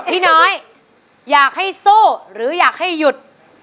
พี่น้อยอยากให้สู้หรืออยากให้หยุด